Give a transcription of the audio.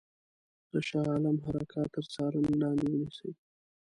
د شاه عالم حرکات تر څارني لاندي ونیسي.